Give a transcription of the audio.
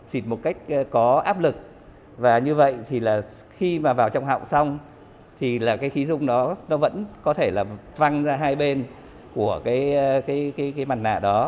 xịt một cách có áp lực và như vậy thì là khi mà vào trong hậu xong thì là cái khí dung đó nó vẫn có thể là văng ra hai bên của cái mặt nạ đó